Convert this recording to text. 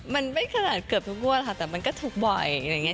มันไม่ขนาดเกือบทุกงวดค่ะแต่มันก็ถูกบ่อยอะไรอย่างนี้